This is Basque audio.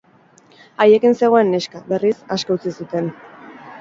Haiekin zegoen neska, berriz, aske utzi zuten.